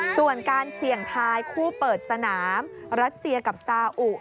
ส่วนการเสี่ยงทายคู่เปิดสนามรัสเซียกับซาอุ